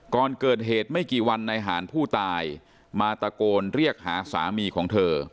ก่อนเกิดเหตุไม่กี่วันนายหารผู้ตายมาตะโกนเรียกหาสามีของเธอ